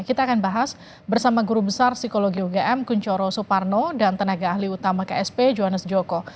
kita akan bahas bersama guru besar psikologi ugm kunchoro suparno dan tenaga ahli utama ksp johannes joko